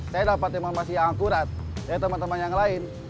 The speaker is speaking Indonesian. saya dapat informasi yang akurat dari teman teman yang lain